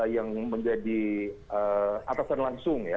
yang menjadi atasan langsung ya